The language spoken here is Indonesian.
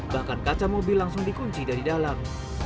bahkan kaca mobil langsung dikunci dari dalam